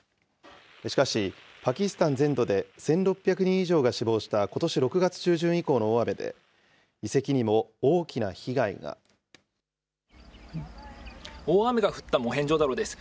しかし、パキスタン全土で１６００人以上が死亡したことし６月中旬以降の大雨で、遺跡にも大きな大雨が降ったモヘンジョダロです。